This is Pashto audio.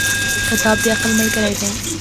• کتاب د عقل ملګری دی.